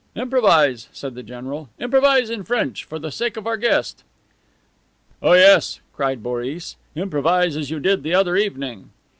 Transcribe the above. "Improvise," said the general. "Improvise in French, for the sake of our guest." "Oh, yes," cried Boris; "improvise as you did the other evening."